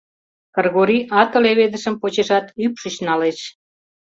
Кыргорий ате леведышым почешат, ӱпшыч налеш.